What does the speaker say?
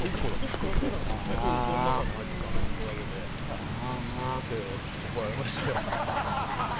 その中に入ってたのが１個だけですっげえ怒られましたよ。